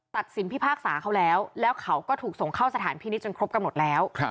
ตัดสินพิพากษาเขาแล้วแล้วเขาก็ถูกส่งเข้าสถานพินิษฐจนครบกำหนดแล้ว